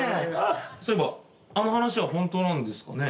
そういえばあの話は本当なんですかね？